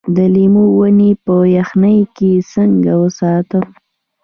د لیمو ونې په یخنۍ کې څنګه وساتم؟